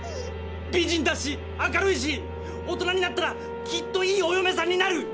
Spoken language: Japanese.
美人だし明るいし大人になったらきっといいおよめさんになる！